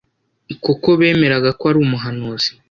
kuko bemeraga ko ari umuhanuzi